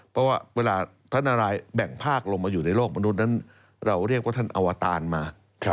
เพราะว่าเวลาพระนารายแบ่งภาคลงมาอยู่ในโลกมนุษย์นั้นเราเรียกว่าท่านอวตารมา